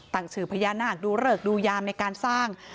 ชื่อพญานาคดูเริกดูยามในการสร้าง